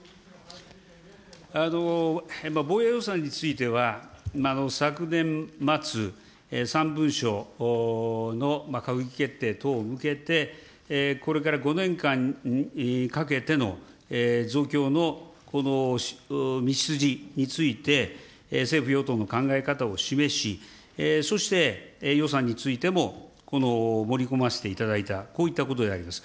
防衛予算については、昨年末、３文書の閣議決定等を受けて、これから５年間かけての、増強の道筋について、政府・与党の考え方を示し、そして予算についても盛り込ませていただいた、こういったことであります。